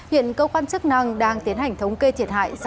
hiện cơ quan chức năng đang tiến hành thống kê thiệt hại do trận mưa lớn gây ra